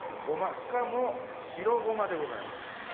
しかも白ごまでございます。